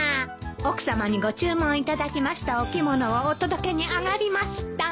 奥さまにご注文頂きましたお着物をお届けにあがりました。